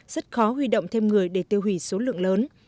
rất khó huy động thêm người để tiêu hủy số lượng lớn